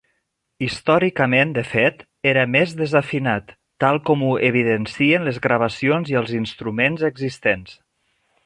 Històricament de fet, era més desafinat, tal com ho evidencien les gravacions i els instruments existents.